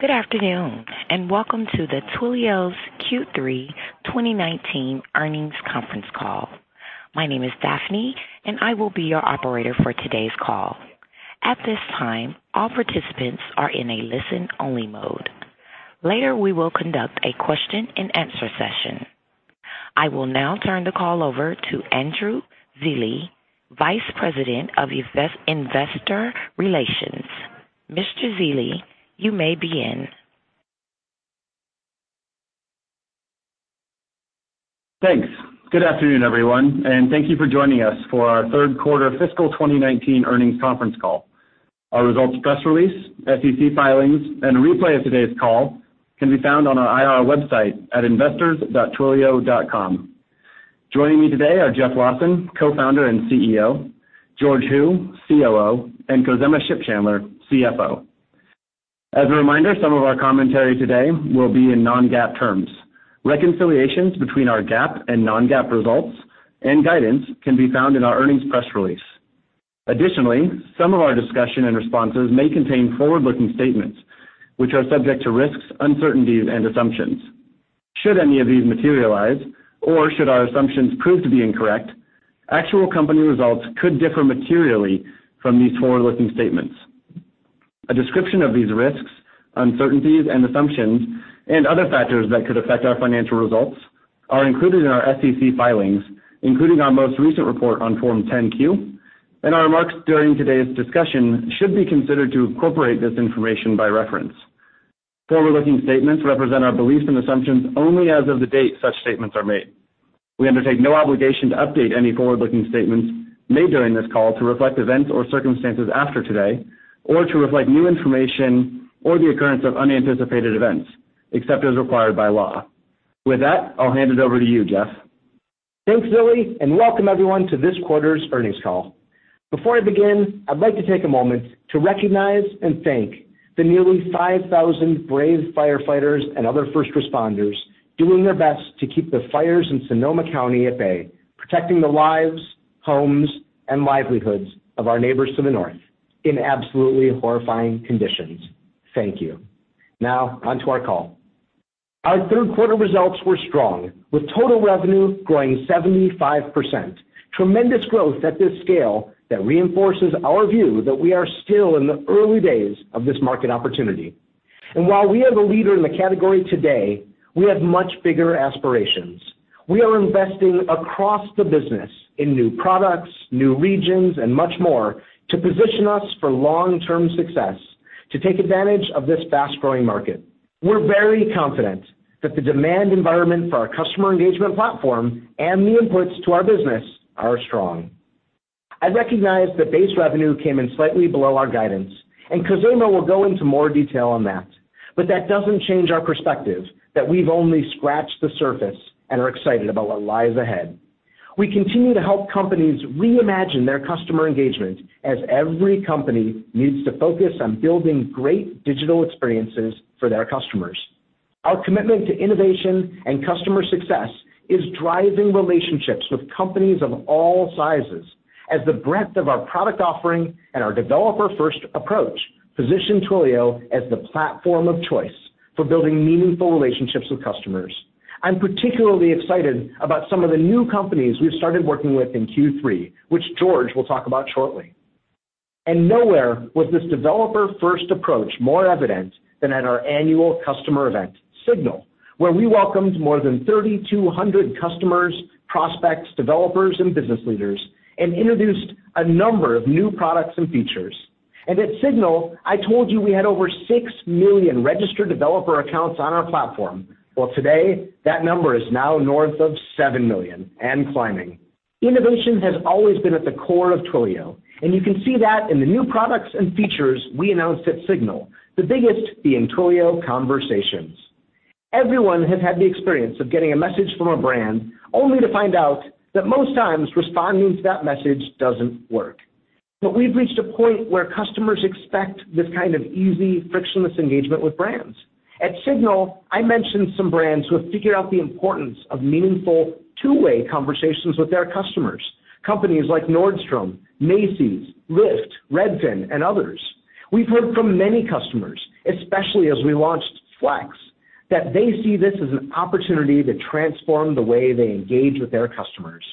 Good afternoon, welcome to the Twilio's Q3 2019 earnings conference call. My name is Daphne, and I will be your operator for today's call. At this time, all participants are in a listen-only mode. Later, we will conduct a question and answer session. I will now turn the call over to Andrew Zilli, Vice President of Investor Relations. Mr. Zilli, you may begin. Thanks. Good afternoon, everyone, and thank you for joining us for our third quarter fiscal 2019 earnings conference call. Our results press release, SEC filings, and a replay of today's call can be found on our IR website at investors.twilio.com. Joining me today are Jeff Lawson, Co-founder and CEO, George Hu, COO, and Khozema Shipchandler, CFO. As a reminder, some of our commentary today will be in non-GAAP terms. Reconciliations between our GAAP and non-GAAP results and guidance can be found in our earnings press release. Additionally, some of our discussion and responses may contain forward-looking statements which are subject to risks, uncertainties, and assumptions. Should any of these materialize, or should our assumptions prove to be incorrect, actual company results could differ materially from these forward-looking statements. A description of these risks, uncertainties, and assumptions and other factors that could affect our financial results are included in our SEC filings, including our most recent report on Form 10-Q, and our remarks during today's discussion should be considered to incorporate this information by reference. Forward-looking statements represent our beliefs and assumptions only as of the date such statements are made. We undertake no obligation to update any forward-looking statements made during this call to reflect events or circumstances after today, or to reflect new information or the occurrence of unanticipated events, except as required by law. With that, I'll hand it over to you, Jeff. Thanks, Zilli, welcome everyone to this quarter's earnings call. Before I begin, I'd like to take a moment to recognize and thank the nearly 5,000 brave firefighters and other first responders doing their best to keep the fires in Sonoma County at bay, protecting the lives, homes, and livelihoods of our neighbors to the north in absolutely horrifying conditions. Thank you. Now, on to our call. Our third quarter results were strong, with total revenue growing 75%. Tremendous growth at this scale that reinforces our view that we are still in the early days of this market opportunity. While we are the leader in the category today, we have much bigger aspirations. We are investing across the business in new products, new regions, and much more to position us for long-term success to take advantage of this fast-growing market. We're very confident that the demand environment for our customer engagement platform and the inputs to our business are strong. I recognize that base revenue came in slightly below our guidance, and Khozema will go into more detail on that. But that doesn't change our perspective that we've only scratched the surface and are excited about what lies ahead. We continue to help companies reimagine their customer engagement as every company needs to focus on building great digital experiences for their customers. Our commitment to innovation and customer success is driving relationships with companies of all sizes as the breadth of our product offering and our developer-first approach position Twilio as the platform of choice for building meaningful relationships with customers. I'm particularly excited about some of the new companies we've started working with in Q3, which George will talk about shortly. Nowhere was this developer-first approach more evident than at our annual customer event, Signal, where we welcomed more than 3,200 customers, prospects, developers, and business leaders and introduced a number of new products and features. At Signal, I told you we had over 6 million registered developer accounts on our platform. Today, that number is now north of 7 million and climbing. Innovation has always been at the core of Twilio, and you can see that in the new products and features we announced at Signal, the biggest being Twilio Conversations. Everyone has had the experience of getting a message from a brand, only to find out that most times responding to that message doesn't work. We've reached a point where customers expect this kind of easy, frictionless engagement with brands. At Signal, I mentioned some brands who have figured out the importance of meaningful two-way conversations with their customers, companies like Nordstrom, Macy's, Lyft, Redfin, and others. We've heard from many customers, especially as we launched Flex, that they see this as an opportunity to transform the way they engage with their customers.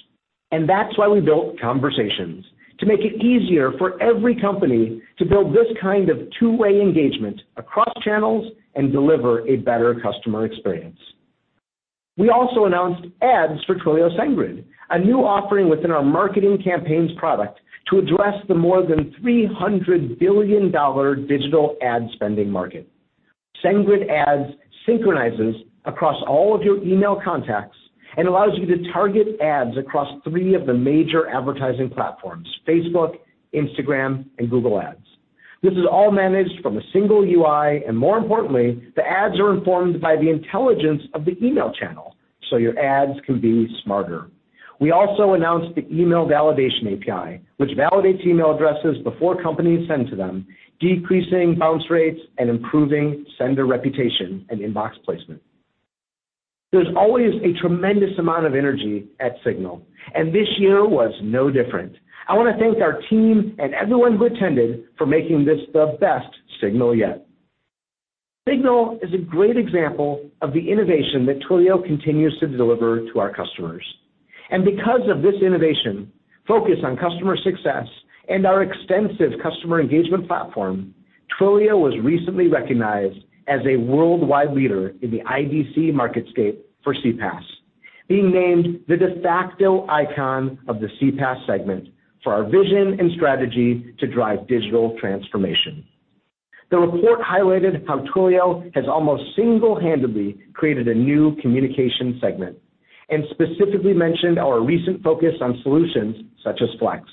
That's why we built Conversations, to make it easier for every company to build this kind of two-way engagement across channels and deliver a better customer experience. We also announced Ads for Twilio SendGrid, a new offering within our marketing campaigns product to address the more than $300 billion digital ad spending market. SendGrid Ads synchronizes across all of your email contacts and allows you to target ads across three of the major advertising platforms, Facebook, Instagram, and Google Ads. This is all managed from a single UI, and more importantly, the ads are informed by the intelligence of the email channel so your ads can be smarter. We also announced the Email Validation API, which validates email addresses before companies send to them, decreasing bounce rates and improving sender reputation and inbox placement. There's always a tremendous amount of energy at Signal, and this year was no different. I want to thank our team and everyone who attended for making this the best Signal yet. Signal is a great example of the innovation that Twilio continues to deliver to our customers. Because of this innovation, focus on customer success, and our extensive customer engagement platform, Twilio was recently recognized as a worldwide leader in the IDC MarketScape for CPaaS, being named the de facto icon of the CPaaS segment for our vision and strategy to drive digital transformation. The report highlighted how Twilio has almost single-handedly created a new communication segment, and specifically mentioned our recent focus on solutions such as Flex.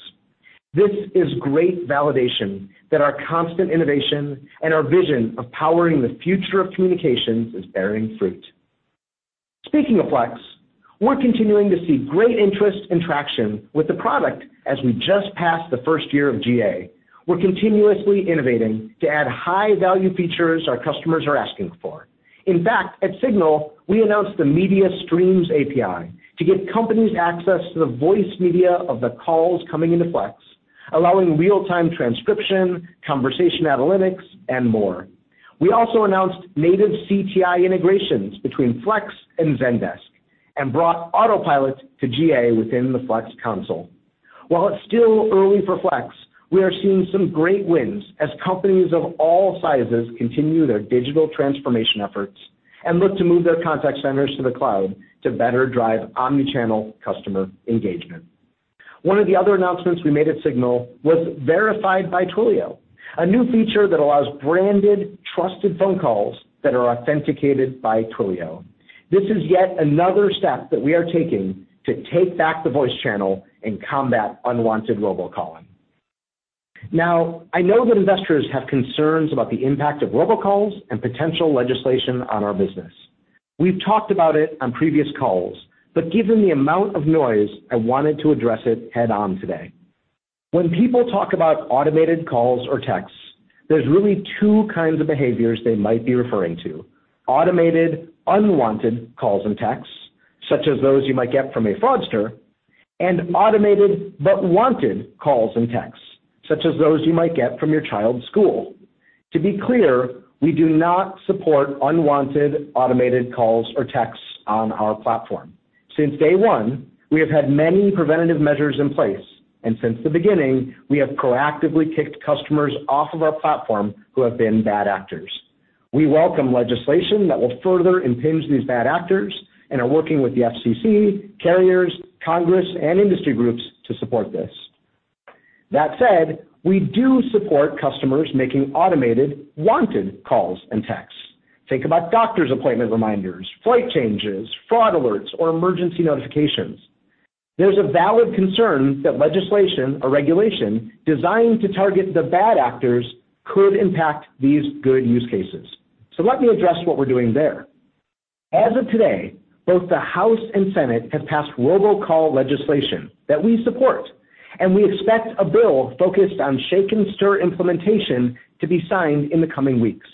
This is great validation that our constant innovation and our vision of powering the future of communications is bearing fruit. Speaking of Flex, we're continuing to see great interest and traction with the product as we just passed the first year of GA. We're continuously innovating to add high-value features our customers are asking for. In fact, at Signal, we announced the Media Streams API to give companies access to the voice media of the calls coming into Flex, allowing real-time transcription, conversation analytics, and more. We also announced native CTI integrations between Flex and Zendesk and brought Autopilot to GA within the Flex console. While it's still early for Twilio Flex, we are seeing some great wins as companies of all sizes continue their digital transformation efforts and look to move their contact centers to the cloud to better drive omnichannel customer engagement. One of the other announcements we made at Signal was Verified by Twilio, a new feature that allows branded, trusted phone calls that are authenticated by Twilio. This is yet another step that we are taking to take back the voice channel and combat unwanted robocalling. I know that investors have concerns about the impact of robocalls and potential legislation on our business. We've talked about it on previous calls, but given the amount of noise, I wanted to address it head-on today. When people talk about automated calls or texts, there's really two kinds of behaviors they might be referring to: automated unwanted calls and texts, such as those you might get from a fraudster, and automated but wanted calls and texts, such as those you might get from your child's school. To be clear, we do not support unwanted automated calls or texts on our platform. Since day one, we have had many preventative measures in place, and since the beginning, we have proactively kicked customers off of our platform who have been bad actors. We welcome legislation that will further impinge these bad actors and are working with the FCC, carriers, Congress, and industry groups to support this. That said, we do support customers making automated wanted calls and texts. Think about doctor's appointment reminders, flight changes, fraud alerts, or emergency notifications. There's a valid concern that legislation or regulation designed to target the bad actors could impact these good use cases. Let me address what we're doing there. As of today, both the House and Senate have passed robocall legislation that we support, and we expect a bill focused on SHAKEN/STIR implementation to be signed in the coming weeks.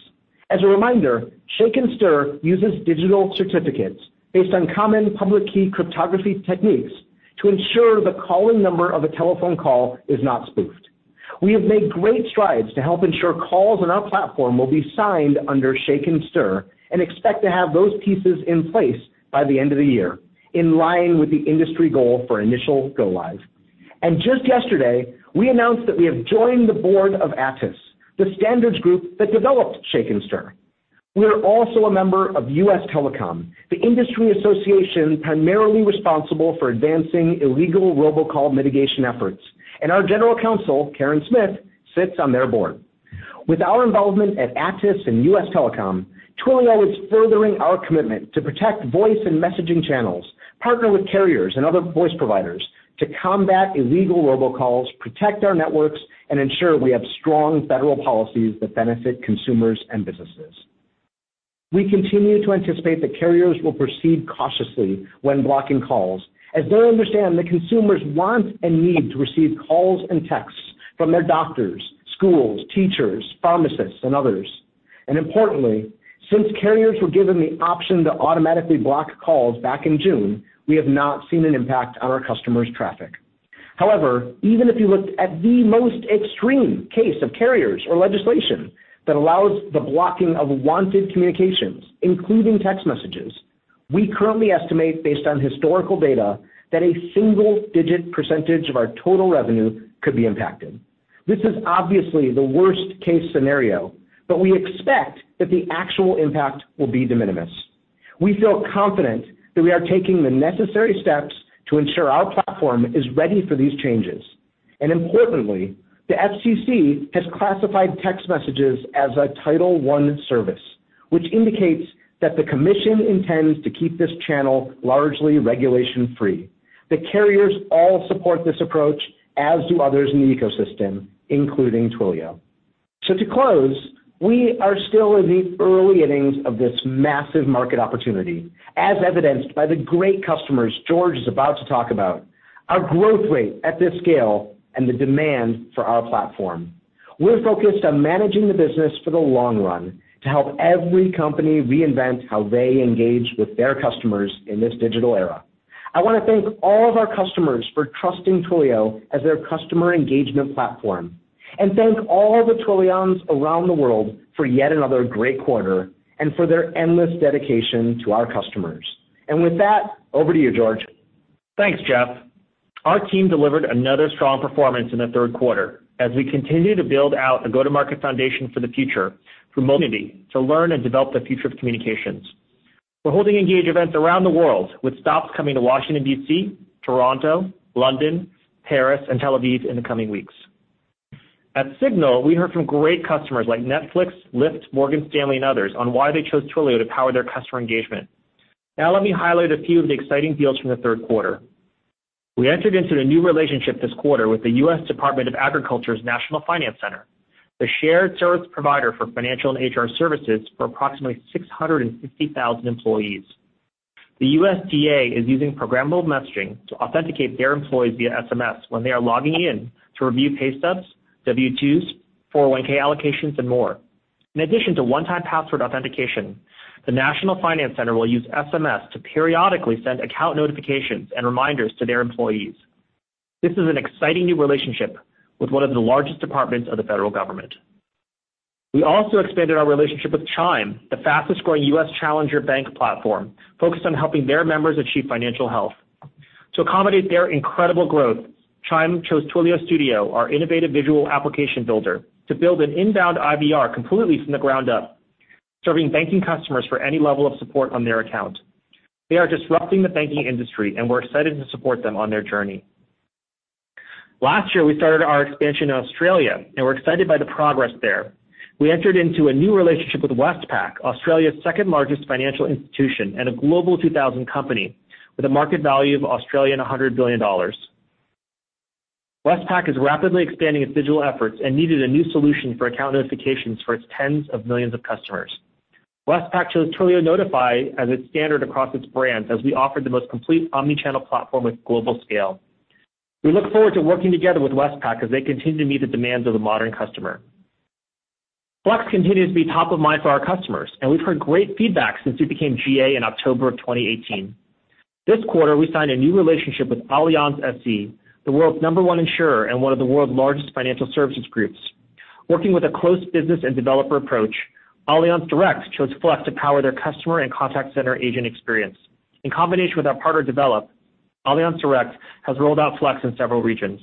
As a reminder, SHAKEN/STIR uses digital certificates based on common public key cryptography techniques to ensure the calling number of a telephone call is not spoofed. We have made great strides to help ensure calls on our platform will be signed under SHAKEN/STIR and expect to have those pieces in place by the end of the year, in line with the industry goal for initial go live. Just yesterday, we announced that we have joined the board of ATIS, the standards group that developed SHAKEN/STIR. We are also a member of USTelecom, the industry association primarily responsible for advancing illegal robocall mitigation efforts. Our General Counsel, Karyn Smith, sits on their board. With our involvement at ATIS and USTelecom, Twilio is furthering our commitment to protect voice and messaging channels, partner with carriers and other voice providers to combat illegal robocalls, protect our networks, and ensure we have strong federal policies that benefit consumers and businesses. We continue to anticipate that carriers will proceed cautiously when blocking calls, as they understand that consumers want and need to receive calls and texts from their doctors, schools, teachers, pharmacists, and others. Importantly, since carriers were given the option to automatically block calls back in June, we have not seen an impact on our customers' traffic. However, even if you looked at the most extreme case of carriers or legislation that allows the blocking of wanted communications, including text messages, we currently estimate, based on historical data, that a single-digit percentage of our total revenue could be impacted. This is obviously the worst-case scenario, but we expect that the actual impact will be de minimis. We feel confident that we are taking the necessary steps to ensure our platform is ready for these changes. Importantly, the FCC has classified text messages as a Title I service, which indicates that the commission intends to keep this channel largely regulation-free. The carriers all support this approach, as do others in the ecosystem, including Twilio. To close, we are still in the early innings of this massive market opportunity, as evidenced by the great customers George is about to talk about. Our growth rate at this scale and the demand for our platform. We're focused on managing the business for the long run to help every company reinvent how they engage with their customers in this digital era. I want to thank all of our customers for trusting Twilio as their customer engagement platform, and thank all the Twilions around the world for yet another great quarter and for their endless dedication to our customers. With that, over to you, George. Thanks, Jeff. Our team delivered another strong performance in the third quarter as we continue to build out a go-to-market foundation for the future through to learn and develop the future of communications. We're holding engage events around the world, with stops coming to Washington, D.C., Toronto, London, Paris, and Tel Aviv in the coming weeks. At Signal, we heard from great customers like Netflix, Lyft, Morgan Stanley, and others on why they chose Twilio to power their customer engagement. Let me highlight a few of the exciting deals from the third quarter. We entered into a new relationship this quarter with the U.S. Department of Agriculture's National Finance Center, the shared service provider for financial and HR services for approximately 650,000 employees. The USDA is using programmable messaging to authenticate their employees via SMS when they are logging in to review pay stubs, W-2s, 401 allocations, and more. In addition to one-time password authentication, the National Finance Center will use SMS to periodically send account notifications and reminders to their employees. This is an exciting new relationship with one of the largest departments of the federal government. We also expanded our relationship with Chime, the fastest-growing U.S. challenger bank platform, focused on helping their members achieve financial health. To accommodate their incredible growth, Chime chose Twilio Studio, our innovative visual application builder, to build an inbound IVR completely from the ground up, serving banking customers for any level of support on their account. They are disrupting the banking industry, and we're excited to support them on their journey. Last year, we started our expansion in Australia. We're excited by the progress there. We entered into a new relationship with Westpac, Australia's second-largest financial institution and a Global 2000 company with a market value of 100 billion Australian dollars. Westpac is rapidly expanding its digital efforts and needed a new solution for account notifications for its tens of millions of customers. Westpac chose Twilio Notify as its standard across its brands as we offered the most complete omni-channel platform with global scale. We look forward to working together with Westpac as they continue to meet the demands of the modern customer. Flex continues to be top of mind for our customers. We've heard great feedback since we became GA in October 2018. This quarter, we signed a new relationship with Allianz SE, the world's number one insurer and one of the world's largest financial services groups. Working with a close business and developer approach, Allianz Direct chose Flex to power their customer and contact center agent experience. In combination with our partner Devoteam, Allianz Direct has rolled out Flex in several regions.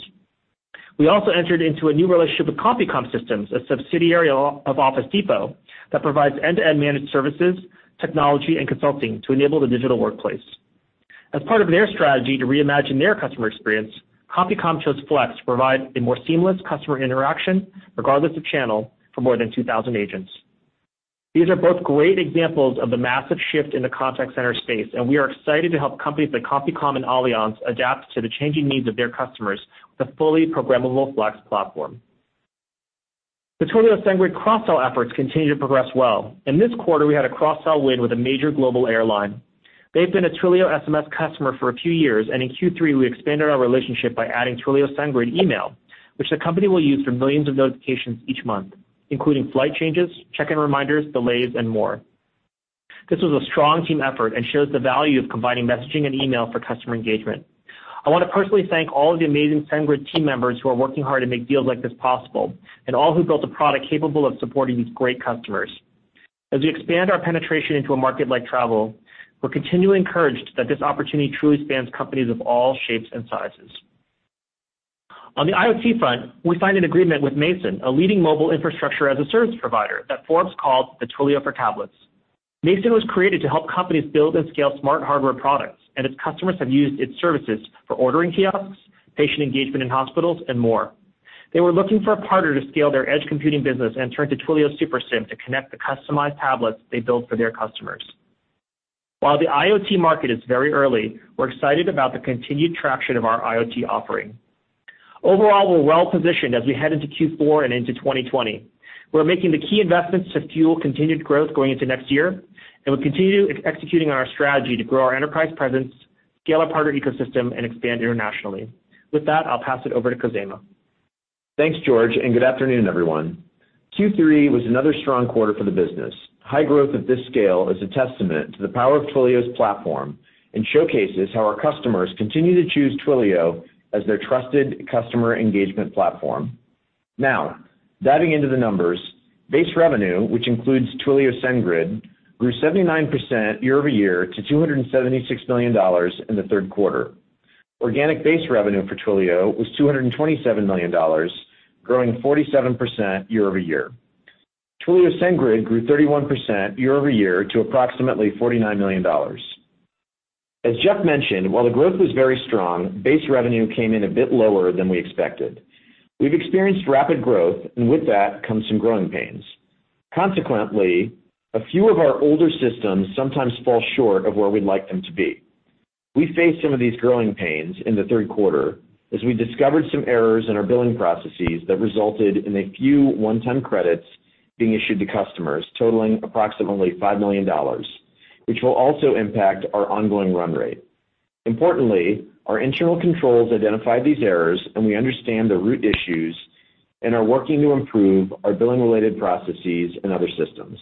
We also entered into a new relationship with CompuCom Systems, a subsidiary of Office Depot that provides end-to-end managed services, technology, and consulting to enable the digital workplace. As part of their strategy to reimagine their customer experience, CompuCom chose Flex to provide a more seamless customer interaction, regardless of channel, for more than 2,000 agents. These are both great examples of the massive shift in the contact center space, and we are excited to help companies like CompuCom and Allianz Direct adapt to the changing needs of their customers with the fully programmable Flex platform. The Twilio SendGrid cross-sell efforts continue to progress well. In this quarter, we had a cross-sell win with a major global airline. They've been a Twilio SMS customer for a few years, and in Q3, we expanded our relationship by adding Twilio SendGrid Email, which the company will use for millions of notifications each month, including flight changes, check-in reminders, delays, and more. This was a strong team effort and shows the value of combining messaging and email for customer engagement. I want to personally thank all of the amazing SendGrid team members who are working hard to make deals like this possible and all who built a product capable of supporting these great customers. As we expand our penetration into a market like travel, we're continually encouraged that this opportunity truly spans companies of all shapes and sizes. On the IoT front, we signed an agreement with Mason, a leading mobile infrastructure-as-a-service provider that Forbes called the Twilio for tablets. Mason was created to help companies build and scale smart hardware products, and its customers have used its services for ordering kiosks, patient engagement in hospitals, and more. They were looking for a partner to scale their edge computing business and turned to Twilio Super SIM to connect the customized tablets they build for their customers. While the IoT market is very early, we're excited about the continued traction of our IoT offering. Overall, we're well-positioned as we head into Q4 and into 2020. We're making the key investments to fuel continued growth going into next year, and we continue executing our strategy to grow our enterprise presence, scale our partner ecosystem, and expand internationally. With that, I'll pass it over to Khozema. Thanks, George. Good afternoon, everyone. Q3 was another strong quarter for the business. High growth of this scale is a testament to the power of Twilio's platform and showcases how our customers continue to choose Twilio as their trusted customer engagement platform. Diving into the numbers, base revenue, which includes Twilio SendGrid, grew 79% year-over-year to $276 million in the third quarter. Organic base revenue for Twilio was $227 million, growing 47% year-over-year. Twilio SendGrid grew 31% year-over-year to approximately $49 million. As Jeff mentioned, while the growth was very strong, base revenue came in a bit lower than we expected. We've experienced rapid growth, and with that comes some growing pains. Consequently, a few of our older systems sometimes fall short of where we'd like them to be. We faced some of these growing pains in the third quarter as we discovered some errors in our billing processes that resulted in a few one-time credits being issued to customers totaling approximately $5 million, which will also impact our ongoing run rate. Importantly, our internal controls identified these errors, and we understand the root issues and are working to improve our billing-related processes and other systems.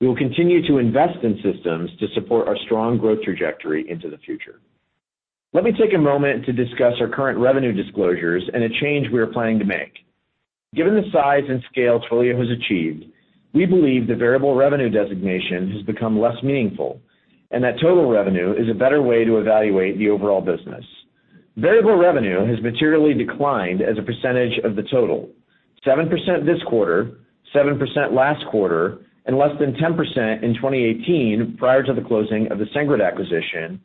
We will continue to invest in systems to support our strong growth trajectory into the future. Let me take a moment to discuss our current revenue disclosures and a change we are planning to make. Given the size and scale Twilio has achieved, we believe the variable revenue designation has become less meaningful and that total revenue is a better way to evaluate the overall business. Variable revenue has materially declined as a percentage of the total, 7% this quarter, 7% last quarter, and less than 10% in 2018 prior to the closing of the SendGrid acquisition,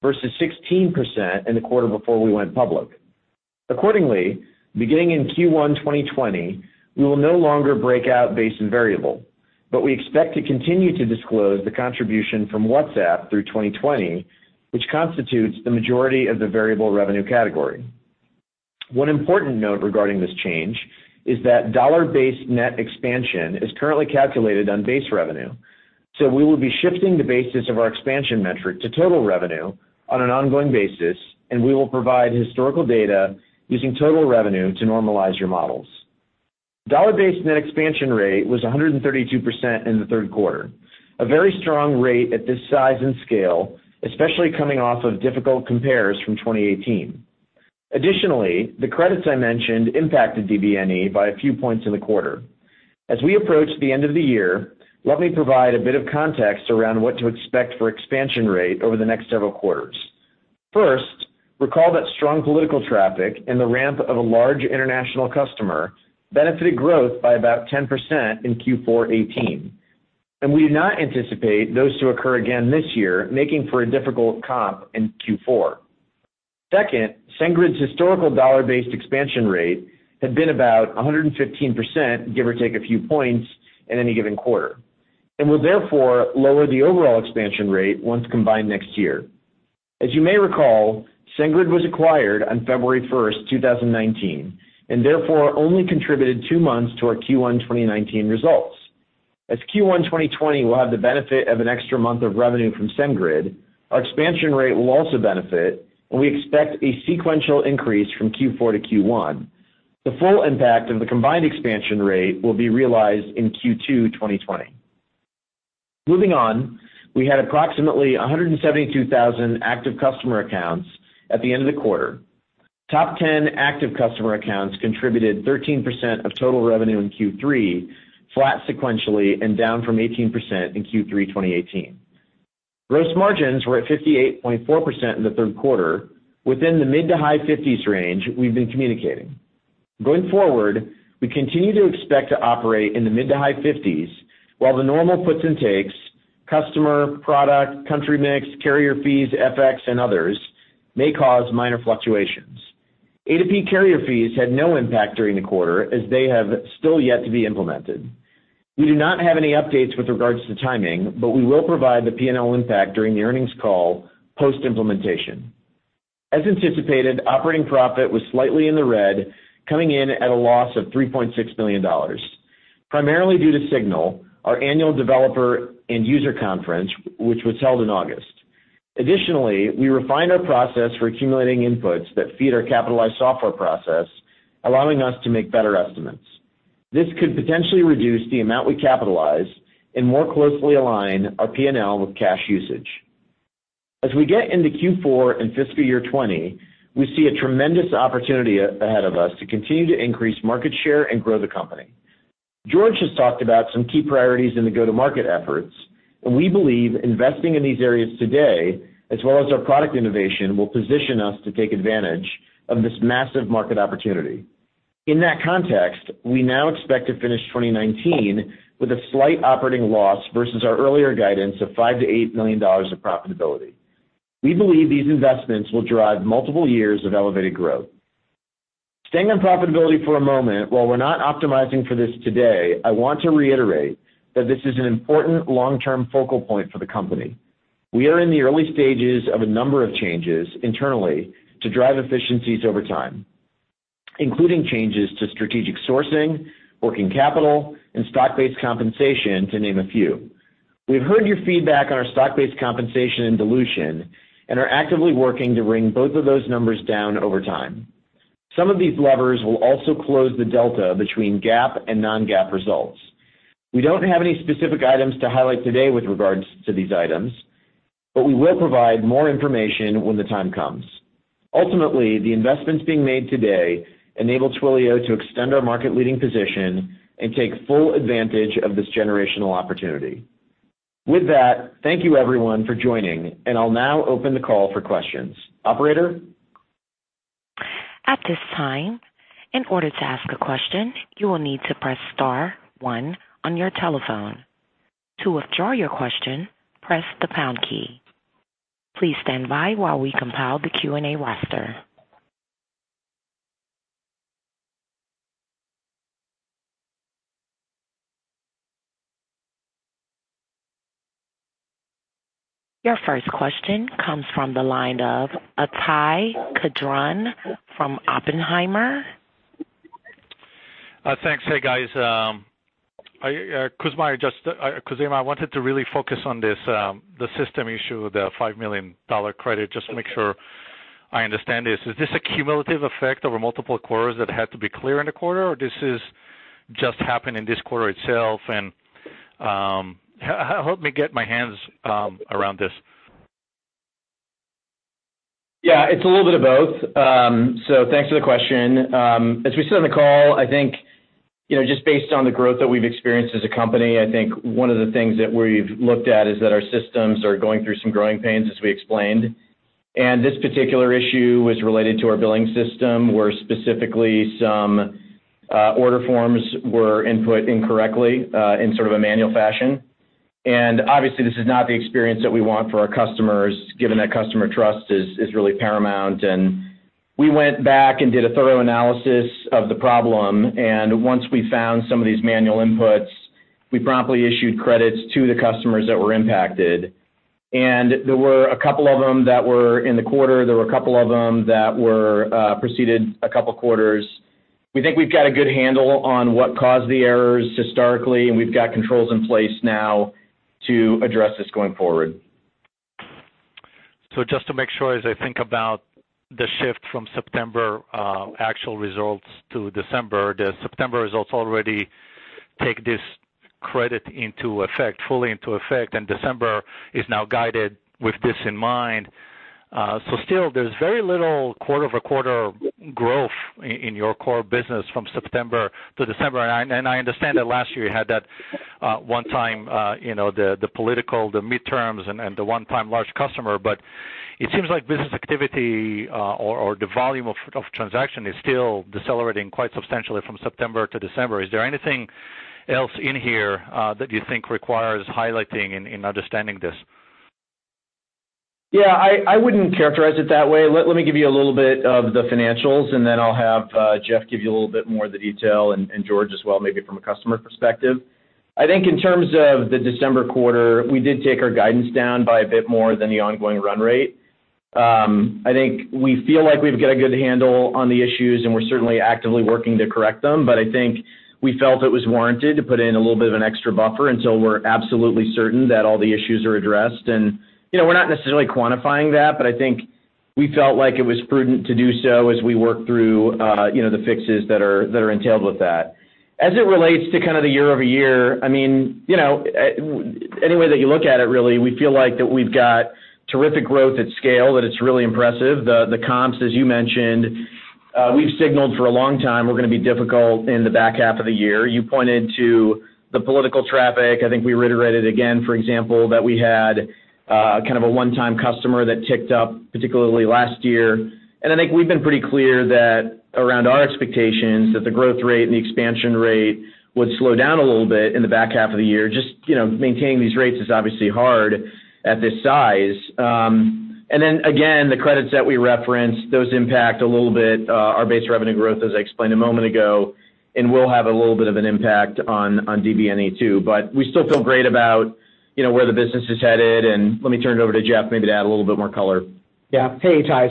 versus 16% in the quarter before we went public. Accordingly, beginning in Q1 2020, we will no longer break out base and variable. We expect to continue to disclose the contribution from WhatsApp through 2020, which constitutes the majority of the variable revenue category. One important note regarding this change is that Dollar-Based Net Expansion is currently calculated on base revenue. We will be shifting the basis of our expansion metric to total revenue on an ongoing basis, and we will provide historical data using total revenue to normalize your models. Dollar-Based Net Expansion Rate was 132% in the third quarter, a very strong rate at this size and scale, especially coming off of difficult compares from 2018. The credits I mentioned impacted DBNE by a few points in the quarter. As we approach the end of the year, let me provide a bit of context around what to expect for expansion rate over the next several quarters. First, recall that strong political traffic and the ramp of a large international customer benefited growth by about 10% in Q4 2018. We do not anticipate those to occur again this year, making for a difficult comp in Q4. Second, Twilio SendGrid's historical Dollar-Based Net Expansion Rate had been about 115%, give or take a few points in any given quarter, and will therefore lower the overall expansion rate once combined next year. As you may recall, SendGrid was acquired on February 1st, 2019, and therefore only contributed two months to our Q1 2019 results. As Q1 2020 will have the benefit of an extra month of revenue from SendGrid, our expansion rate will also benefit, and we expect a sequential increase from Q4 to Q1. The full impact of the combined expansion rate will be realized in Q2 2020. Moving on, we had approximately 172,000 active customer accounts at the end of the quarter. Top 10 active customer accounts contributed 13% of total revenue in Q3, flat sequentially and down from 18% in Q3 2018. Gross margins were at 58.4% in the third quarter, within the mid to high 50s range we've been communicating. Going forward, we continue to expect to operate in the mid to high 50s while the normal puts and takes, customer, product, country mix, carrier fees, FX, and others may cause minor fluctuations. A2P carrier fees had no impact during the quarter as they have still yet to be implemented. We do not have any updates with regards to timing, but we will provide the P&L impact during the earnings call post-implementation. As anticipated, operating profit was slightly in the red, coming in at a loss of $3.6 million, primarily due to Signal, our annual developer and user conference, which was held in August. Additionally, we refined our process for accumulating inputs that feed our capitalized software process, allowing us to make better estimates. This could potentially reduce the amount we capitalize and more closely align our P&L with cash usage. As we get into Q4 and fiscal year 2020, we see a tremendous opportunity ahead of us to continue to increase market share and grow the company. George has talked about some key priorities in the go-to-market efforts, and we believe investing in these areas today, as well as our product innovation, will position us to take advantage of this massive market opportunity. In that context, we now expect to finish 2019 with a slight operating loss versus our earlier guidance of $5 million-$8 million of profitability. We believe these investments will drive multiple years of elevated growth. Staying on profitability for a moment, while we're not optimizing for this today, I want to reiterate that this is an important long-term focal point for the company. We are in the early stages of a number of changes internally to drive efficiencies over time, including changes to strategic sourcing, working capital, and stock-based compensation, to name a few. We've heard your feedback on our stock-based compensation and dilution and are actively working to bring both of those numbers down over time. Some of these levers will also close the delta between GAAP and non-GAAP results. We don't have any specific items to highlight today with regards to these items, but we will provide more information when the time comes. Ultimately, the investments being made today enable Twilio to extend our market-leading position and take full advantage of this generational opportunity. With that, thank you everyone for joining, and I'll now open the call for questions. Operator? At this time, in order to ask a question, you will need to press star one on your telephone. To withdraw your question, press the pound key. Please stand by while we compile the Q&A roster. Your first question comes from the line of Ittai Kidron from Oppenheimer. Thanks. Hey, guys. Khozema, I wanted to really focus on the system issue, the $5 million credit, just to make sure I understand this. Is this a cumulative effect over multiple quarters that had to be clear in the quarter, or this is just happened in this quarter itself? Help me get my hands around this. Yeah, it's a little bit of both. Thanks for the question. As we said on the call, I think, just based on the growth that we've experienced as a company, I think one of the things that we've looked at is that our systems are going through some growing pains, as we explained. This particular issue was related to our billing system, where specifically some order forms were input incorrectly in sort of a manual fashion. Obviously, this is not the experience that we want for our customers, given that customer trust is really paramount. We went back and did a thorough analysis of the problem, and once we found some of these manual inputs, we promptly issued credits to the customers that were impacted. There were a couple of them that were in the quarter, there were a couple of them that were preceded a couple of quarters. We think we've got a good handle on what caused the errors historically, and we've got controls in place now to address this going forward. Just to make sure, as I think about the shift from September actual results to December, the September results already take this credit fully into effect, and December is now guided with this in mind. Still, there's very little quarter-over-quarter growth in your core business from September to December. I understand that last year you had that one time, the political, the midterms, and the one-time large customer. It seems like business activity or the volume of transaction is still decelerating quite substantially from September to December. Is there anything else in here that you think requires highlighting in understanding this? Yeah, I wouldn't characterize it that way. Let me give you a little bit of the financials, and then I'll have Jeff give you a little bit more of the detail, and George as well, maybe from a customer perspective. I think in terms of the December quarter, we did take our guidance down by a bit more than the ongoing run rate. I think we feel like we've got a good handle on the issues, and we're certainly actively working to correct them. I think we felt it was warranted to put in a little bit of an extra buffer until we're absolutely certain that all the issues are addressed. We're not necessarily quantifying that, but I think we felt like it was prudent to do so as we work through the fixes that are entailed with that. As it relates to the year-over-year, any way that you look at it, really, we feel like that we've got terrific growth at scale, that it's really impressive. The comps, as you mentioned, we've signaled for a long time were going to be difficult in the back half of the year. You pointed to the political traffic. I think we reiterated again, for example, that we had a one-time customer that ticked up, particularly last year. I think we've been pretty clear that around our expectations that the growth rate and the expansion rate would slow down a little bit in the back half of the year. Just maintaining these rates is obviously hard at this size. Again, the credits that we referenced, those impact a little bit our base revenue growth, as I explained a moment ago, and will have a little bit of an impact on DBNE too. We still feel great about where the business is headed, and let me turn it over to Jeff, maybe to add a little bit more color. Hey, Ittai.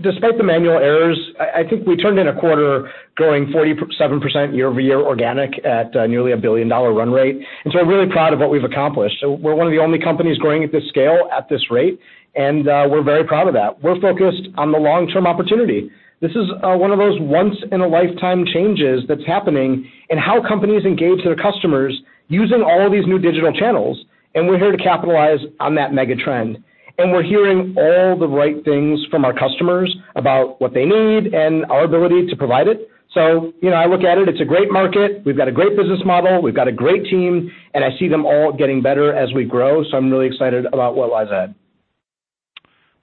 Despite the manual errors, I think we turned in a quarter growing 47% year-over-year organic at nearly a billion-dollar run rate. We're really proud of what we've accomplished. We're one of the only companies growing at this scale at this rate, and we're very proud of that. We're focused on the long-term opportunity. This is one of those once-in-a-lifetime changes that's happening in how companies engage their customers using all these new digital channels, and we're here to capitalize on that mega trend. We're hearing all the right things from our customers about what they need and our ability to provide it. I look at it's a great market, we've got a great business model, we've got a great team, and I see them all getting better as we grow. I'm really excited about what lies ahead.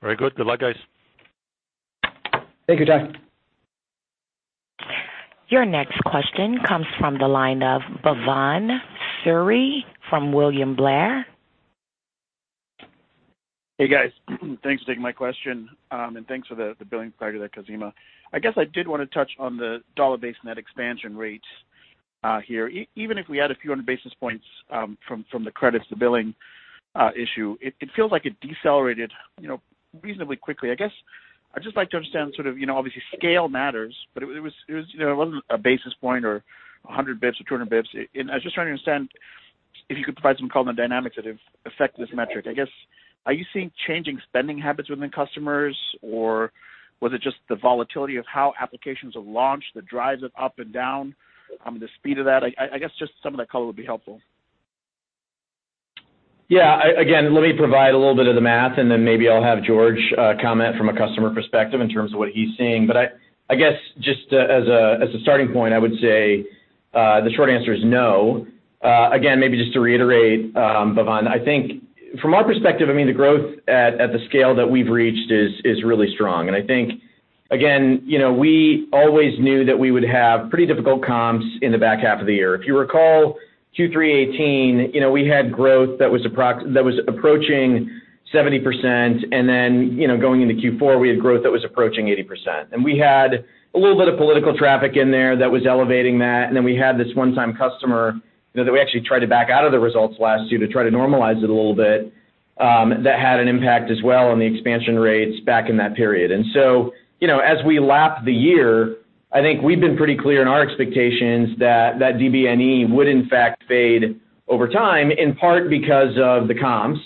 Very good. Good luck, guys. Thank you, Ty. Your next question comes from the line of Bhavan Suri from William Blair. Hey, guys. Thanks for taking my question, thanks for the billing clarity there, Khozema. I guess I did want to touch on the Dollar-Based Net Expansion Rate here. Even if we add a few hundred basis points from the credits, the billing issue, it feels like it decelerated reasonably quickly. I guess I'd just like to understand sort of, obviously scale matters, but it wasn't a basis point or 100 basis points or 200 basis points. I was just trying to understand if you could provide some color on the dynamics that have affected this metric. I guess, are you seeing changing spending habits within customers, was it just the volatility of how applications have launched that drives it up and down, the speed of that? I guess just some of that color would be helpful. Yeah. Let me provide a little bit of the math, and then maybe I'll have George comment from a customer perspective in terms of what he's seeing. I guess just as a starting point, I would say the short answer is no. Maybe just to reiterate, Bhavan, I think from our perspective, the growth at the scale that we've reached is really strong. I think, again, we always knew that we would have pretty difficult comps in the back half of the year. If you recall Q3 2018, we had growth that was approaching 70%, and then going into Q4, we had growth that was approaching 80%. We had a little bit of political traffic in there that was elevating that, and then we had this one-time customer that we actually tried to back out of the results last year to try to normalize it a little bit. That had an impact as well on the expansion rates back in that period. As we lap the year, I think we've been pretty clear in our expectations that DBNE would, in fact, fade over time, in part because of the comps,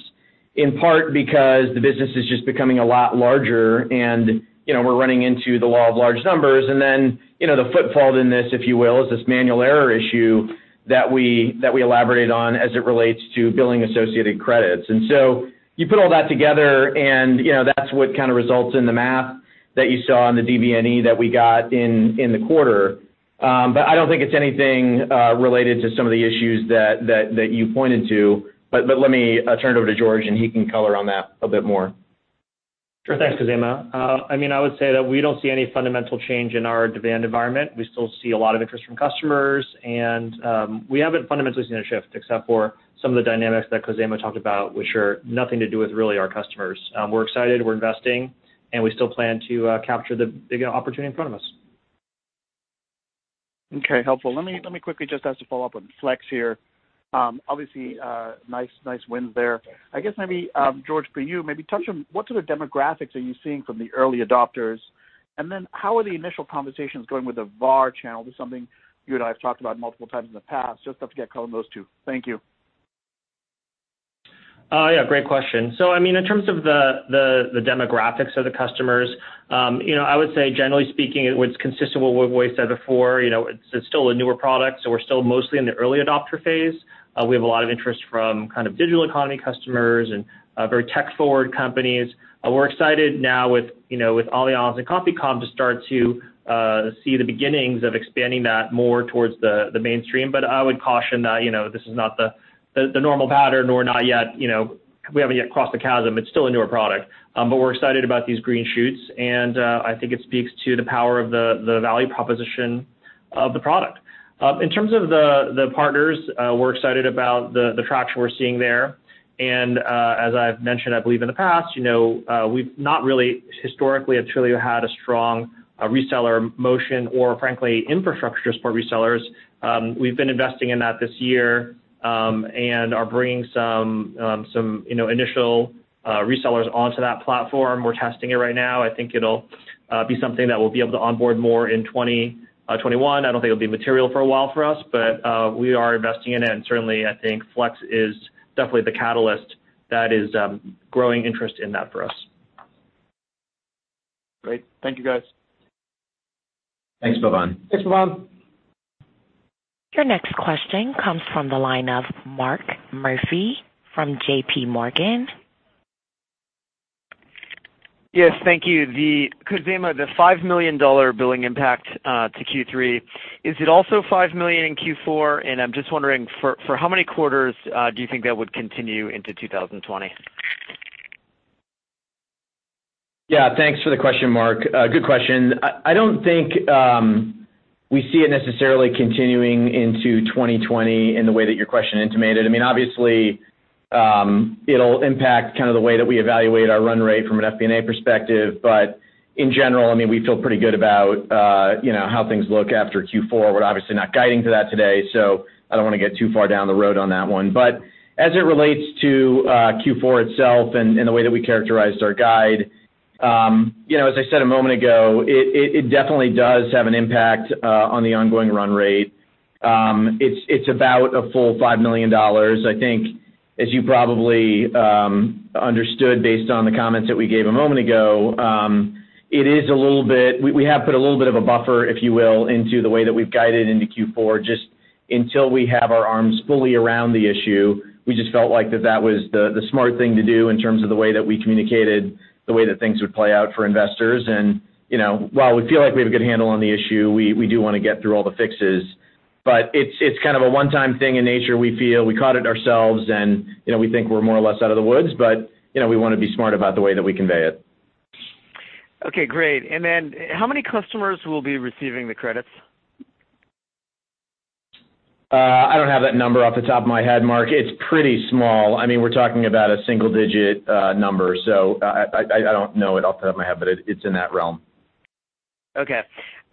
in part because the business is just becoming a lot larger and we're running into the law of large numbers. Then, the footfall in this, if you will, is this manual error issue that we elaborated on as it relates to billing associated credits. You put all that together, and that's what kind of results in the math that you saw on the DBNE that we got in the quarter. I don't think it's anything related to some of the issues that you pointed to. Let me turn it over to George, and he can color on that a bit more. Sure. Thanks, Khozema. I would say that we don't see any fundamental change in our demand environment. We still see a lot of interest from customers, and we haven't fundamentally seen a shift except for some of the dynamics that Khozema talked about, which are nothing to do with really our customers. We're excited, we're investing, and we still plan to capture the big opportunity in front of us. Okay, helpful. Let me quickly just ask a follow-up on Flex here. Obviously, nice wins there. I guess maybe, George, for you, maybe touch on what sort of demographics are you seeing from the early adopters, and then how are the initial conversations going with the VAR channel? This is something you and I have talked about multiple times in the past. Just love to get color on those two. Thank you. Yeah, great question. In terms of the demographics of the customers, I would say generally speaking, it's consistent with what we've said before. It's still a newer product. We're still mostly in the early adopter phase. We have a lot of interest from digital economy customers and very tech-forward companies. We're excited now with Allianz and CompuCom to start to see the beginnings of expanding that more towards the mainstream. I would caution that this is not the normal pattern, or we haven't yet crossed the chasm. It's still a newer product. We're excited about these green shoots, and I think it speaks to the power of the value proposition of the product. In terms of the partners, we're excited about the traction we're seeing there, and, as I've mentioned, I believe in the past, we've not really historically at Twilio had a strong reseller motion or, frankly, infrastructures for resellers. We've been investing in that this year, and are bringing some initial resellers onto that platform. We're testing it right now. I think it'll be something that we'll be able to onboard more in 2021. I don't think it'll be material for a while for us, but we are investing in it, and certainly, I think Flex is definitely the catalyst that is growing interest in that for us. Great. Thank you, guys. Thanks, Bhavan. Thanks, Bhavan. Your next question comes from the line of Mark Murphy from J.P. Morgan. Yes, thank you. Khozema, the $5 million billing impact to Q3, is it also $5 million in Q4? I'm just wondering for how many quarters do you think that would continue into 2020? Thanks for the question, Mark. Good question. I don't think we see it necessarily continuing into 2020 in the way that your question intimated. Obviously, it'll impact the way that we evaluate our run rate from an FP&A perspective. In general, we feel pretty good about how things look after Q4. We're obviously not guiding to that today. I don't want to get too far down the road on that one. As it relates to Q4 itself and the way that we characterized our guide, as I said a moment ago, it definitely does have an impact on the ongoing run rate. It's about a full $5 million. I think as you probably understood based on the comments that we gave a moment ago, we have put a little bit of a buffer, if you will, into the way that we've guided into Q4, just until we have our arms fully around the issue. We just felt like that was the smart thing to do in terms of the way that we communicated the way that things would play out for investors. While we feel like we have a good handle on the issue, we do want to get through all the fixes. It's kind of a one-time thing in nature. We feel we caught it ourselves, and we think we're more or less out of the woods, but we want to be smart about the way that we convey it. Okay, great. How many customers will be receiving the credits? I don't have that number off the top of my head, Mark. It's pretty small. We're talking about a single-digit number. I don't know it off the top of my head, but it's in that realm. Okay.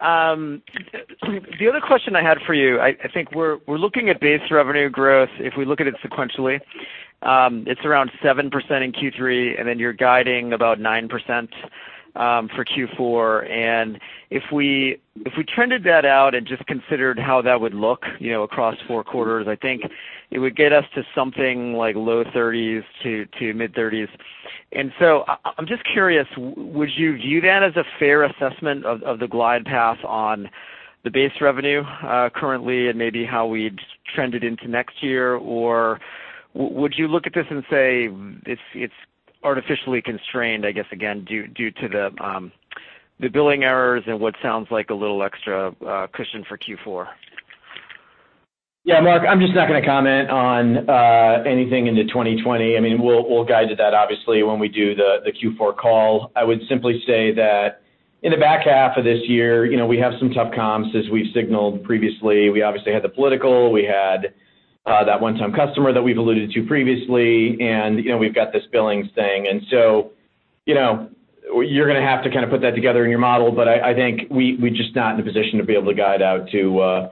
The other question I had for you, I think we're looking at base revenue growth. If we look at it sequentially, it's around 7% in Q3, and then you're guiding about 9% for Q4. If we trended that out and just considered how that would look across four quarters, I think it would get us to something like low 30s to mid-30s. I'm just curious, would you view that as a fair assessment of the glide path on the base revenue currently and maybe how we'd trend it into next year? Would you look at this and say it's artificially constrained, I guess, again, due to the billing errors and what sounds like a little extra cushion for Q4? Yeah, Mark, I'm just not going to comment on anything into 2020. We'll guide to that obviously when we do the Q4 call. I would simply say that in the back half of this year, we have some tough comps as we've signaled previously. We obviously had the political, we had that one-time customer that we've alluded to previously, we've got this billings thing. You're going to have to kind of put that together in your model, but I think we're just not in a position to be able to guide out to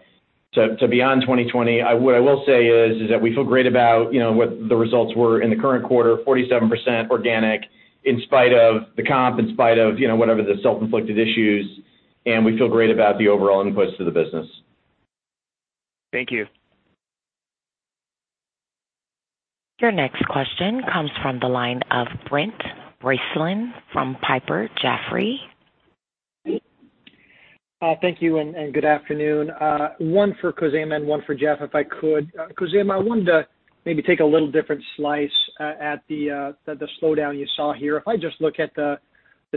beyond 2020. What I will say is that we feel great about what the results were in the current quarter, 47% organic in spite of the comp, in spite of whatever the self-inflicted issues, and we feel great about the overall inputs to the business. Thank you. Your next question comes from the line of Brent Bracelin from Piper Sandler. Thank you, and good afternoon. One for Khozema and one for Jeff, if I could. Khozema, I wanted to maybe take a little different slice at the slowdown you saw here. If I just look at the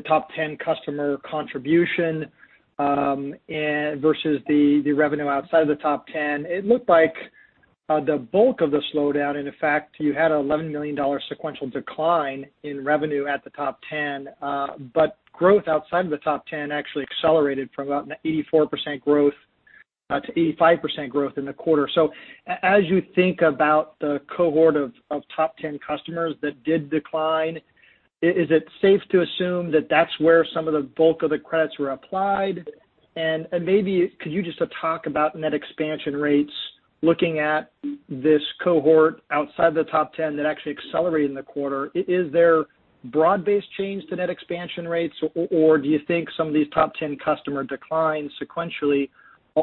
top 10 customer contribution, versus the revenue outside of the top 10, it looked like the bulk of the slowdown, and in fact, you had a $11 million sequential decline in revenue at the top 10. Growth outside of the top 10 actually accelerated from about an 84% growth to 85% growth in the quarter. As you think about the cohort of top 10 customers that did decline, is it safe to assume that that's where some of the bulk of the credits were applied? Maybe could you just talk about net expansion rates looking at this cohort outside the top 10 that actually accelerated in the quarter? Is there broad-based change to Net Expansion Rates, or do you think some of these top 10 customer declines sequentially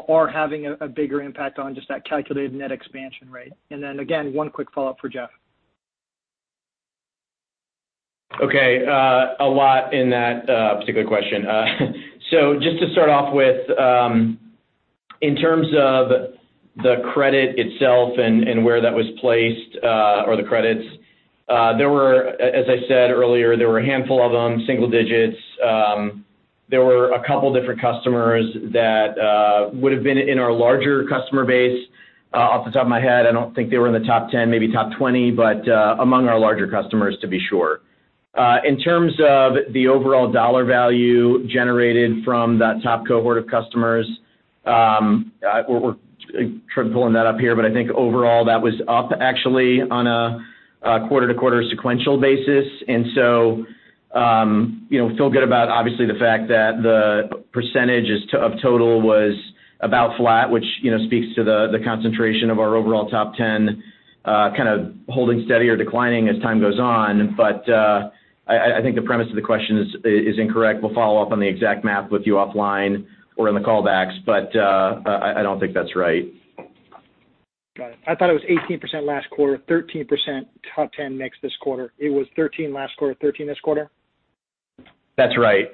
are having a bigger impact on just that calculated Net Expansion Rate? Again, one quick follow-up for Jeff. A lot in that particular question. Just to start off with, in terms of the credit itself and where that was placed, or the credits, as I said earlier, there were a handful of them, single digits. There were two different customers that would've been in our larger customer base. Off the top of my head, I don't think they were in the top 10, maybe top 20, but among our larger customers, to be sure. In terms of the overall dollar value generated from that top cohort of customers, we're pulling that up here, I think overall, that was up actually on a quarter-to-quarter sequential basis. Feel good about obviously the fact that the % of total was about flat, which speaks to the concentration of our overall top 10, kind of holding steady or declining as time goes on. I think the premise of the question is incorrect. We'll follow up on the exact math with you offline or in the callbacks. I don't think that's right. Got it. I thought it was 18% last quarter, 13% top 10 mix this quarter. It was 13 last quarter, 13 this quarter? That's right.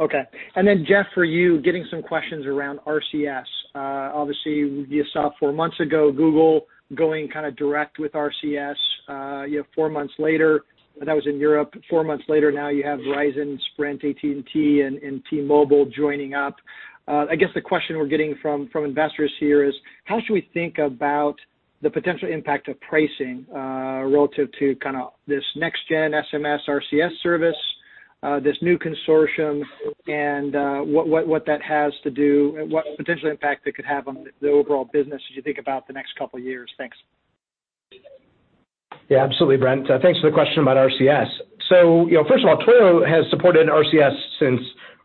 Okay. Then Jeff, for you, getting some questions around RCS. Obviously, you saw 4 months ago, Google going kind of direct with RCS. You have 4 months later, that was in Europe, 4 months later now, you have Verizon, Sprint, AT&T, and T-Mobile joining up. I guess the question we're getting from investors here is how should we think about the potential impact of pricing, relative to kind of this next gen SMS RCS service, this new consortium, and what potential impact that could have on the overall business as you think about the next couple of years? Thanks. Yeah, absolutely, Brent. Thanks for the question about RCS. First of all, Twilio has supported RCS since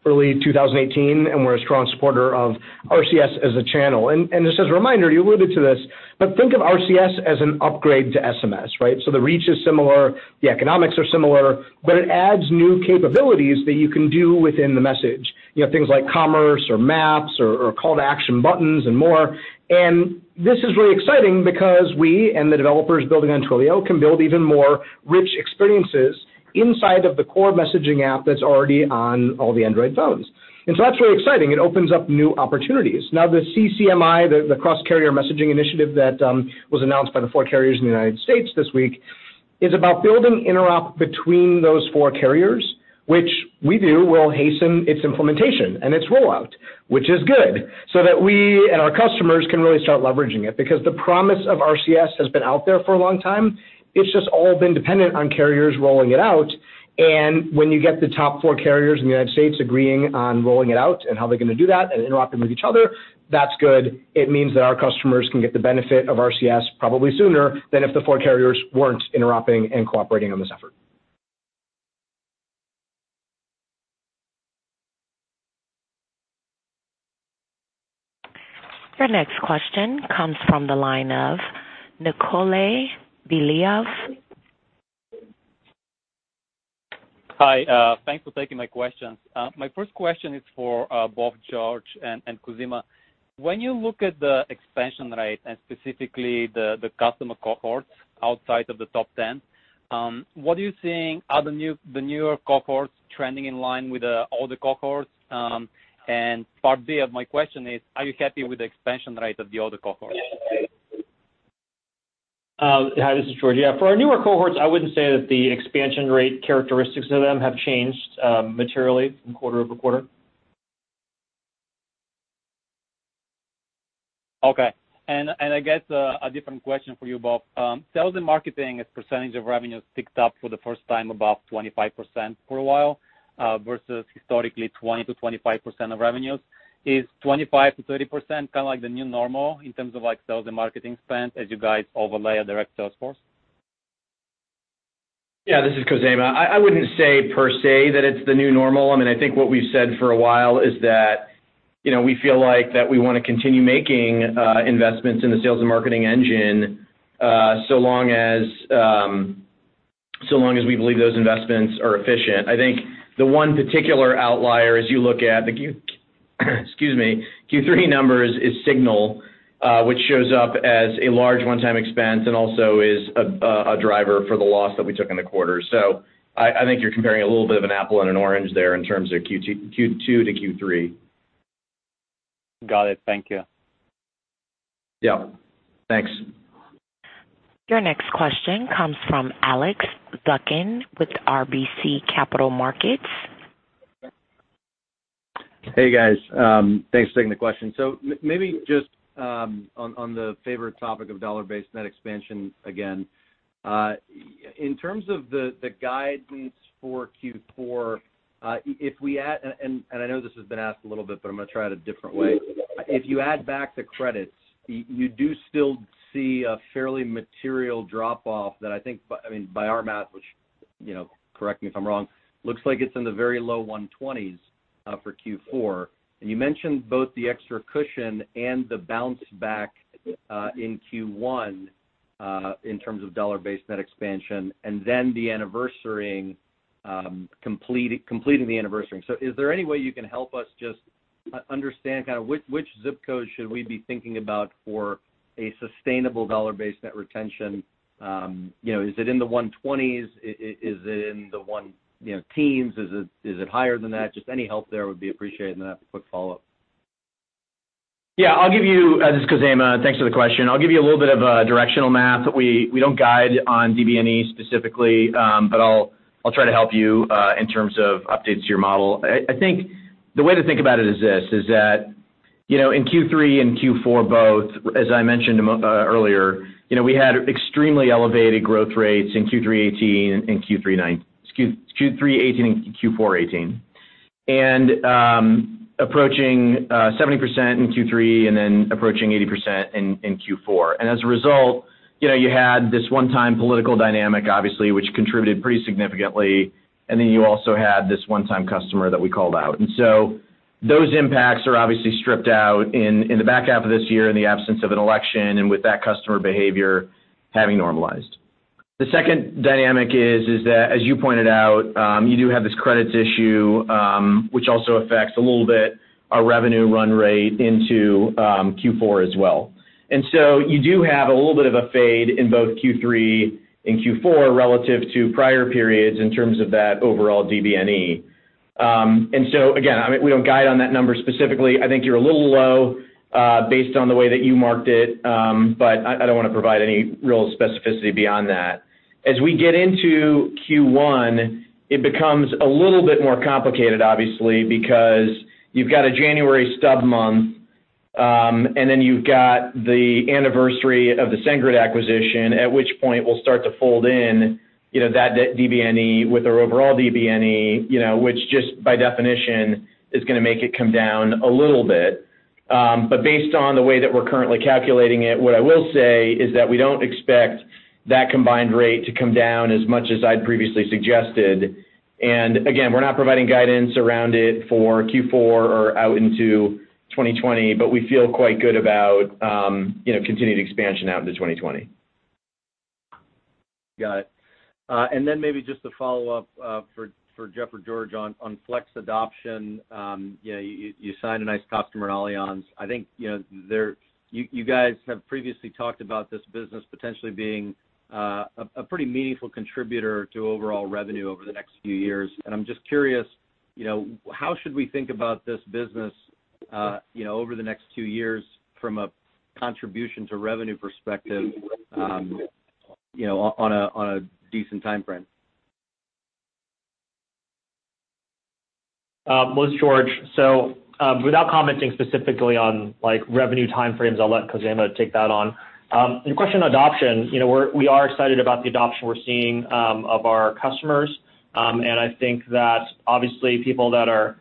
early 2018, and we're a strong supporter of RCS as a channel. Just as a reminder, you alluded to this, but think of RCS as an upgrade to SMS, right? The reach is similar, the economics are similar, but it adds new capabilities that you can do within the message. Things like commerce or maps or call to action buttons and more. This is really exciting because we and the developers building on Twilio can build even more rich experiences inside of the core messaging app that's already on all the Android phones. That's really exciting. It opens up new opportunities. Now, the CCMI, the Cross Carrier Messaging Initiative that was announced by the four carriers in the U.S. this week, is about building interop between those four carriers, which we view will hasten its implementation and its rollout, which is good, so that we and our customers can really start leveraging it because the promise of RCS has been out there for a long time. It's just all been dependent on carriers rolling it out, and when you get the top four carriers in the U.S. agreeing on rolling it out and how they're going to do that and interoperating with each other, that's good. It means that our customers can get the benefit of RCS probably sooner than if the four carriers weren't interoping and cooperating on this effort. Your next question comes from the line of Nikolay Belyaev. Hi, thanks for taking my questions. My first question is for both George and Khozema. When you look at the expansion rate and specifically the customer cohorts outside of the top 10, what are you seeing? Are the newer cohorts trending in line with the older cohorts? Part B of my question is, are you happy with the expansion rate of the older cohorts? Hi, this is George. Yeah, for our newer cohorts, I wouldn't say that the expansion rate characteristics of them have changed materially from quarter-over-quarter. Okay. I guess, a different question for you both. Sales and marketing as % of revenue has ticked up for the first time above 25% for a while, versus historically 20%-25% of revenues. Is 25%-30% kind of like the new normal in terms of sales and marketing spend as you guys overlay a direct sales force? Yeah, this is Khozema. I wouldn't say per se that it's the new normal. I think what we've said for a while is that we feel like that we want to continue making investments in the sales and marketing engine, so long as we believe those investments are efficient. I think the one particular outlier as you look at the, excuse me, Q3 numbers is Signal, which shows up as a large one-time expense and also is a driver for the loss that we took in the quarter. I think you're comparing a little bit of an apple and an orange there in terms of Q2 to Q3. Got it. Thank you. Yeah. Thanks. Your next question comes from Alex Zukin with RBC Capital Markets. Hey, guys. Thanks for taking the question. Maybe just on the favorite topic of Dollar-Based Net Expansion again. In terms of the guidance for Q4, if we add, and I know this has been asked a little bit, but I'm going to try it a different way. If you add back the credits, you do still see a fairly material drop-off that I think, by our math which, correct me if I'm wrong, looks like it's in the very low 120s for Q4. You mentioned both the extra cushion and the bounce back in Q1, in terms of Dollar-Based Net Expansion, and then completing the anniversary-ing. Is there any way you can help us just understand which ZIP code should we be thinking about for a sustainable Dollar-Based Net Retention? Is it in the 120s? Is it in the teens? Is it higher than that? Just any help there would be appreciated. I have a quick follow-up. Yeah. This is Khozema. Thanks for the question. I'll give you a little bit of a directional math. We don't guide on DBNE specifically. I'll try to help you in terms of updates to your model. I think the way to think about it is this: is that in Q3 and Q4 both, as I mentioned earlier we had extremely elevated growth rates in Q3 2018 and Q4 2018. Approaching 70% in Q3 and approaching 80% in Q4. As a result, you had this one-time political dynamic, obviously, which contributed pretty significantly. You also had this one-time customer that we called out. Those impacts are obviously stripped out in the back half of this year in the absence of an election and with that customer behavior having normalized. The second dynamic is that, as you pointed out, you do have this credits issue, which also affects a little bit our revenue run rate into Q4 as well. You do have a little bit of a fade in both Q3 and Q4 relative to prior periods in terms of that overall DBNE. Again, we don't guide on that number specifically. I think you're a little low, based on the way that you marked it, but I don't want to provide any real specificity beyond that. As we get into Q1, it becomes a little bit more complicated, obviously, because you've got a January stub month, and then you've got the anniversary of the SendGrid acquisition, at which point we'll start to fold in that DBNE with our overall DBNE, which just by definition is going to make it come down a little bit. Based on the way that we're currently calculating it, what I will say is that we don't expect that combined rate to come down as much as I'd previously suggested. Again, we're not providing guidance around it for Q4 or out into 2020, but we feel quite good about continued expansion out into 2020. Got it. Maybe just a follow-up for Jeff or George on Flex adoption. You signed a nice customer in Allianz. I think you guys have previously talked about this business potentially being a pretty meaningful contributor to overall revenue over the next few years. I'm just curious, how should we think about this business over the next two years from a contribution to revenue perspective on a decent timeframe? This is George. Without commenting specifically on revenue timeframes, I'll let Khozema take that on. Your question on adoption, we are excited about the adoption we're seeing of our customers. I think that obviously people that are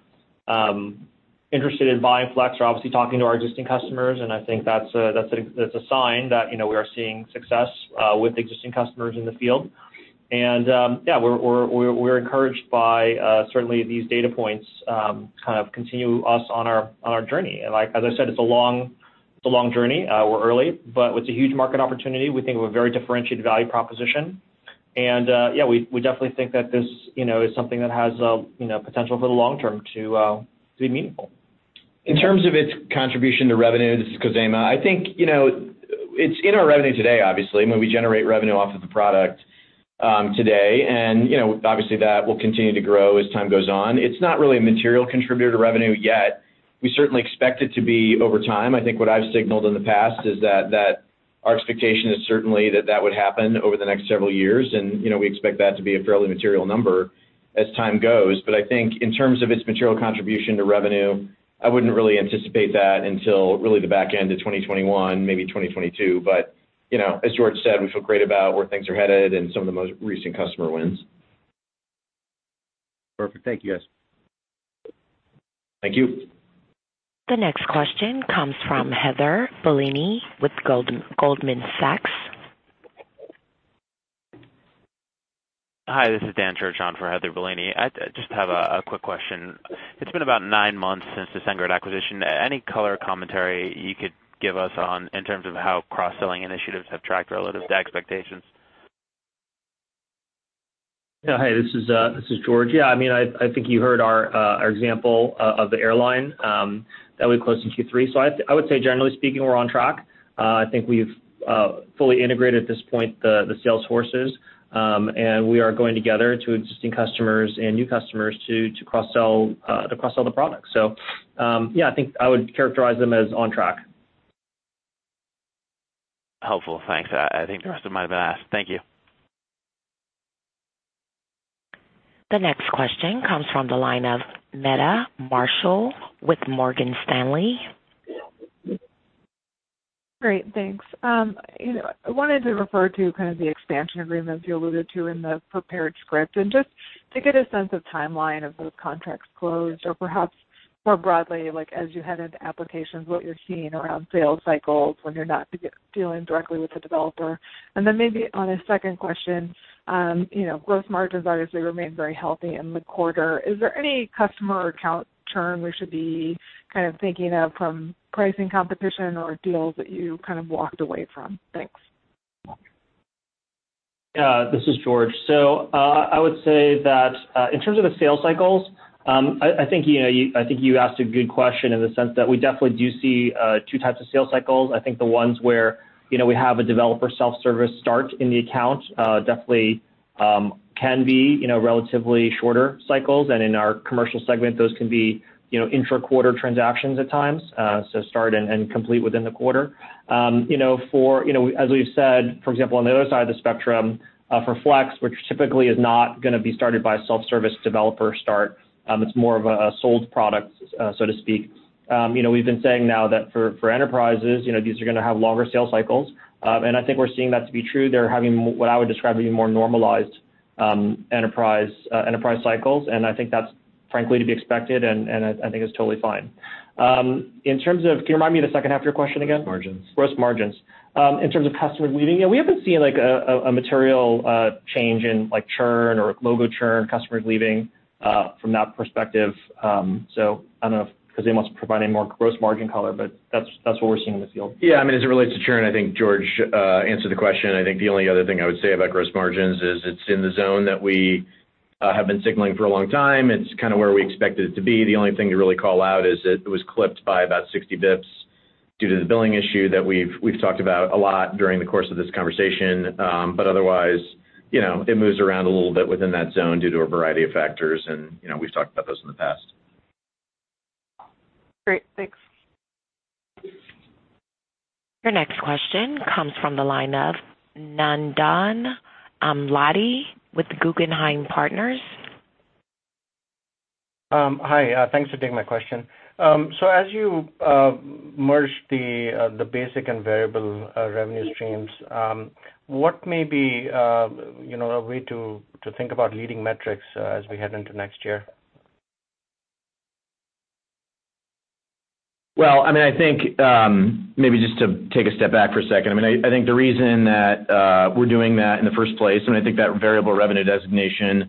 interested in buying Flex are obviously talking to our existing customers, and I think that's a sign that we are seeing success with existing customers in the field. Yeah, we're encouraged by certainly these data points to kind of continue us on our journey. As I said, it's a long journey. We're early, but with a huge market opportunity, we think we're a very differentiated value proposition. Yeah, we definitely think that this is something that has potential for the long term to be meaningful. In terms of its contribution to revenue, this is Khozema. I think it's in our revenue today, obviously. I mean, we generate revenue off of the product today, and obviously that will continue to grow as time goes on. It's not really a material contributor to revenue yet. We certainly expect it to be over time. I think what I've signaled in the past is that our expectation is certainly that that would happen over the next several years, and we expect that to be a fairly material number as time goes. I think in terms of its material contribution to revenue, I wouldn't really anticipate that until really the back end of 2021, maybe 2022. As George said, we feel great about where things are headed and some of the most recent customer wins. Perfect. Thank you, guys. Thank you. The next question comes from Heather Bellini with Goldman Sachs. Hi, this is Dan Church on for Heather Bellini. I just have a quick question. It's been about nine months since the SendGrid acquisition. Any color commentary you could give us in terms of how cross-selling initiatives have tracked relative to expectations? Yeah. Hi, this is George. Yeah, I think you heard our example of the airline that we closed in Q3. I would say generally speaking, we're on track. I think we've fully integrated, at this point, the sales forces, and we are going together to existing customers and new customers to cross-sell the products. Yeah, I think I would characterize them as on track. Helpful. Thanks. I think the rest of it might've been asked. Thank you. The next question comes from the line of Meta Marshall with Morgan Stanley. Great, thanks. I wanted to refer to kind of the expansion agreements you alluded to in the prepared script, just to get a sense of timeline of those contracts closed or perhaps more broadly, like as you head into applications, what you're seeing around sales cycles when you're not dealing directly with the developer. Then maybe on a second question, gross margins obviously remained very healthy in the quarter. Is there any customer or account churn we should be kind of thinking of from pricing competition or deals that you kind of walked away from? Thanks. This is George. I would say that, in terms of the sales cycles, I think you asked a good question in the sense that we definitely do see 2 types of sales cycles. I think the ones where we have a developer self-service start in the account definitely can be relatively shorter cycles. In our commercial segment, those can be intra-quarter transactions at times, so start and complete within the quarter. As we've said, for example, on the other side of the spectrum, for Flex, which typically is not going to be started by a self-service developer start, it's more of a sold product, so to speak. We've been saying now that for enterprises, these are going to have longer sales cycles. I think we're seeing that to be true. They're having what I would describe to be more normalized enterprise cycles, and I think that's frankly to be expected, and I think it's totally fine. Can you remind me of the second half of your question again? Gross margins. Gross margins. In terms of customers leaving, yeah, we haven't seen a material change in churn or logo churn, customers leaving, from that perspective. I don't know if Khozema wants to provide any more gross margin color, but that's what we're seeing in the field. Yeah. As it relates to churn, I think George answered the question. I think the only other thing I would say about gross margins is it's in the zone that we have been signaling for a long time. It's kind of where we expected it to be. The only thing to really call out is that it was clipped by about 60 basis points due to the billing issue that we've talked about a lot during the course of this conversation. Otherwise, it moves around a little bit within that zone due to a variety of factors, and we've talked about those in the past. Great. Thanks. Your next question comes from the line of Nandan Amladi with Guggenheim Partners. Hi, thanks for taking my question. As you merge the basic and variable revenue streams, what may be a way to think about leading metrics as we head into next year? Well, I think, maybe just to take a step back for a second. I think the reason that we're doing that in the first place, and I think that variable revenue designation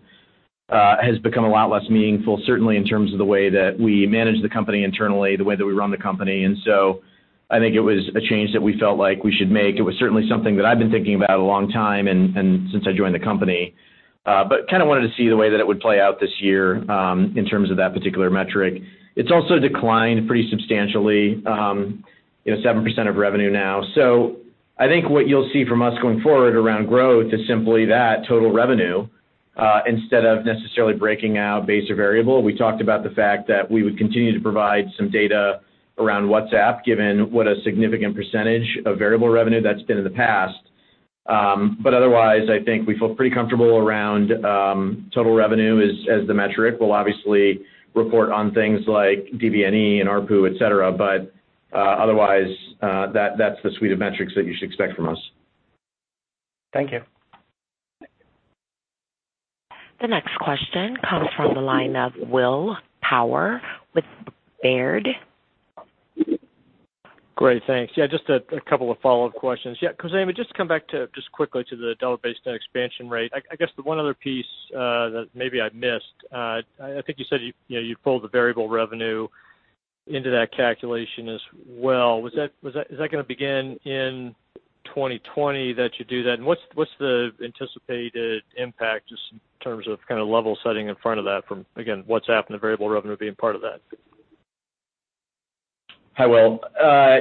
has become a lot less meaningful, certainly in terms of the way that we manage the company internally, the way that we run the company. I think it was a change that we felt like we should make. It was certainly something that I've been thinking about a long time and since I joined the company. Kind of wanted to see the way that it would play out this year in terms of that particular metric. It's also declined pretty substantially, 7% of revenue now. I think what you'll see from us going forward around growth is simply that total revenue, instead of necessarily breaking out base or variable. We talked about the fact that we would continue to provide some data around WhatsApp, given what a significant percentage of variable revenue that's been in the past. Otherwise, I think we feel pretty comfortable around total revenue as the metric. We'll obviously report on things like DBNE and ARPU, et cetera, otherwise, that's the suite of metrics that you should expect from us. Thank you. The next question comes from the line of William Power with Baird. Great, thanks. Yeah, Khozema, may just come back just quickly to the Dollar-Based Net Expansion Rate. I guess the one other piece that maybe I missed, I think you said you pulled the variable revenue into that calculation as well. Is that going to begin in 2020 that you do that? What's the anticipated impact just in terms of kind of level setting in front of that from, again, WhatsApp and the variable revenue being part of that? Hi, Will.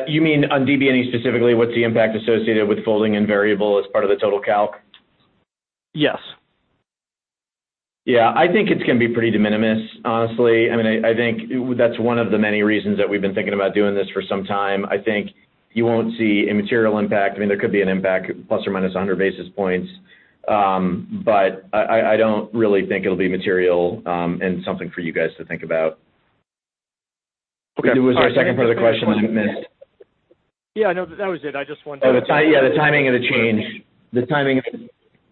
You mean on DBNE specifically, what's the impact associated with folding in variable as part of the total calc? Yes. Yeah. I think it's going to be pretty de minimis, honestly. I think that's one of the many reasons that we've been thinking about doing this for some time. I think you won't see a material impact. There could be an impact, plus or minus 100 basis points. I don't really think it'll be material and something for you guys to think about. Okay. There was our second part of the question you missed. Yeah, no, that was it. I just wondered. Yeah, the timing of the change.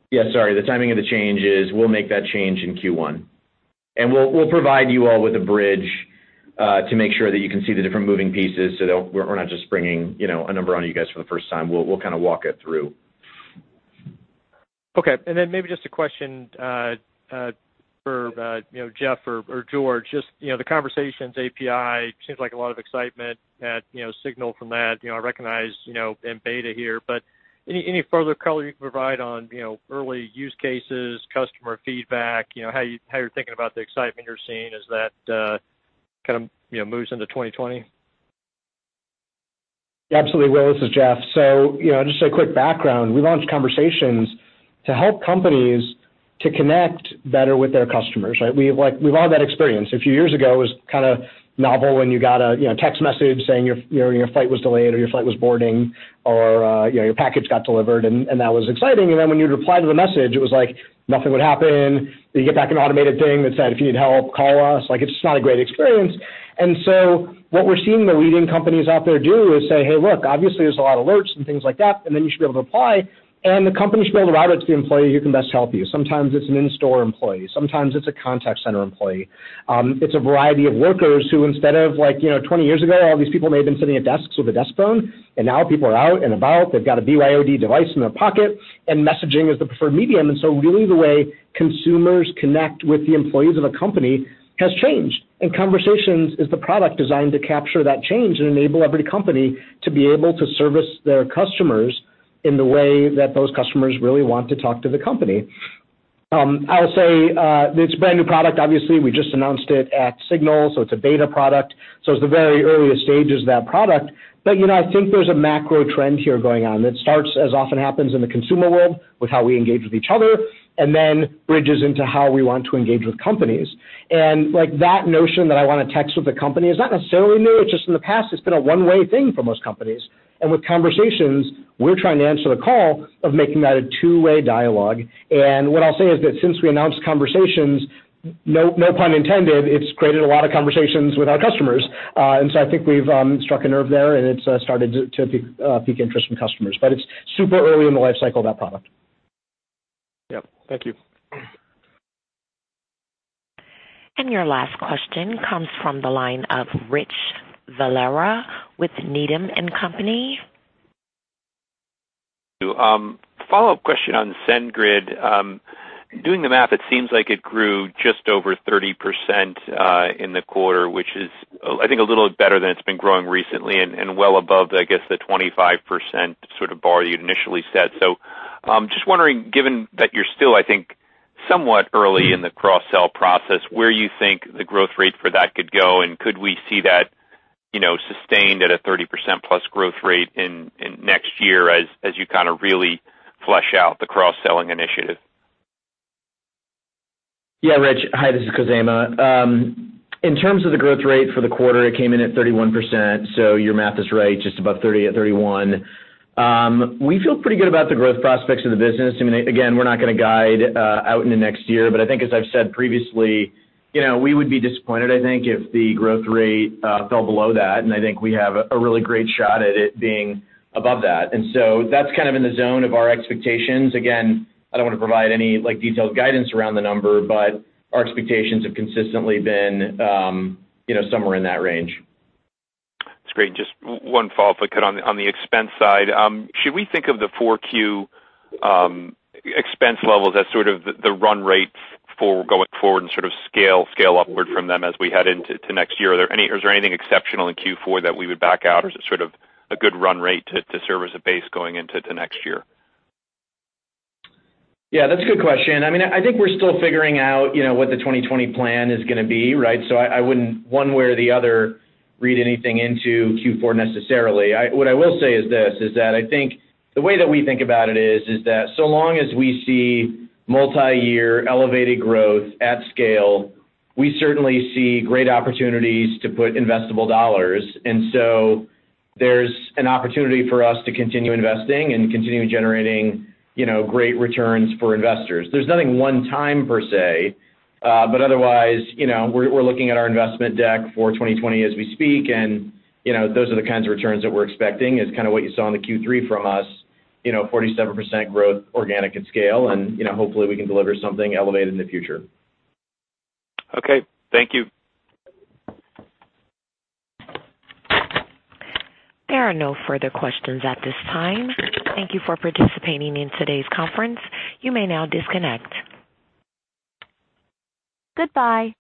Yeah, sorry. The timing of the change is we'll make that change in Q1. We'll provide you all with a bridge, to make sure that you can see the different moving pieces so that we're not just bringing a number on you guys for the first time. We'll kind of walk it through. Okay. Then maybe just a question, for Jeff or George, just the Conversations API seems like a lot of excitement at Signal from that. I recognize in beta here, but any further color you can provide on early use cases, customer feedback, how you're thinking about the excitement you're seeing as that kind of moves into 2020? Absolutely, Will, this is Jeff. Just a quick background. We launched Conversations to help companies to connect better with their customers, right? We've all had that experience. A few years ago, it was kind of novel when you got a text message saying your flight was delayed or your flight was boarding or your package got delivered, and that was exciting. When you'd reply to the message, it was like nothing would happen. You'd get back an automated thing that said, "If you need help, call us." It's just not a great experience. What we're seeing the leading companies out there do is say, "Hey, look, obviously there's a lot of alerts and things like that, and then you should be able to reply, and the company should be able to route it to the employee who can best help you." Sometimes it's an in-store employee. Sometimes it's a contact center employee. It's a variety of workers who instead of, like 20 years ago, all these people may have been sitting at desks with a desk phone, and now people are out and about. They've got a BYOD device in their pocket, and messaging is the preferred medium. Really the way consumers connect with the employees of a company has changed. Conversations is the product designed to capture that change and enable every company to be able to service their customers in the way that those customers really want to talk to the company. I'll say, it's a brand-new product, obviously. We just announced it at Signal, so it's a beta product. It's the very earliest stages of that product. I think there's a macro trend here going on that starts, as often happens in the consumer world, with how we engage with each other and then bridges into how we want to engage with companies. That notion that I want to text with the company is not necessarily new. It's just in the past, it's been a one-way thing for most companies. With Conversations, we're trying to answer the call of making that a two-way dialogue. What I'll say is that since we announced Twilio Conversations, no pun intended, it's created a lot of conversations with our customers. I think we've struck a nerve there, and it's started to pique interest from customers. It's super early in the life cycle of that product. Yep. Thank you. Your last question comes from the line of Richard Valera with Needham & Company. Follow-up question on SendGrid. Doing the math, it seems like it grew just over 30%, in the quarter, which is, I think, a little better than it's been growing recently and well above, I guess, the 25% sort of bar you'd initially set. Just wondering, given that you're still, I think, somewhat early in the cross-sell process, where you think the growth rate for that could go, and could we see that sustained at a 30%-plus growth rate in next year as you kind of really flesh out the cross-selling initiative? Yeah, Rich. Hi, this is Khozema. In terms of the growth rate for the quarter, it came in at 31%, so your math is right, just above 30 at 31. We feel pretty good about the growth prospects of the business. We're not going to guide out into next year, but I think as I've said previously, we would be disappointed, I think, if the growth rate fell below that, and I think we have a really great shot at it being above that. That's kind of in the zone of our expectations. I don't want to provide any detailed guidance around the number, but our expectations have consistently been somewhere in that range. That's great. Just one follow-up, quick on the expense side. Should we think of the 4Q expense levels as sort of the run rates for going forward and sort of scale upward from them as we head into next year? Is there anything exceptional in Q4 that we would back out or is it sort of a good run rate to serve as a base going into next year? Yeah, that's a good question. I think we're still figuring out what the 2020 plan is going to be, right? I wouldn't one way or the other read anything into Q4 necessarily. What I will say is this, is that I think the way that we think about it is that so long as we see multi-year elevated growth at scale, we certainly see great opportunities to put investable dollars. There's an opportunity for us to continue investing and continue generating great returns for investors. There's nothing one time per se. Otherwise, we're looking at our investment deck for 2020 as we speak, and those are the kinds of returns that we're expecting is kind of what you saw in the Q3 from us, 47% growth organic at scale, and hopefully we can deliver something elevated in the future. Okay. Thank you. There are no further questions at this time. Thank you for participating in today's conference. You may now disconnect. Goodbye.